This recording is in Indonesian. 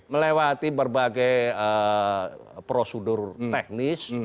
melewati berbagai prosedur teknis